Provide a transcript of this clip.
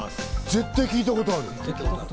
絶対聞いたことある。